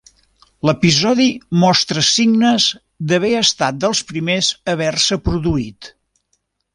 L'episodi mostra signes d'haver estat dels primers a haver-se produït.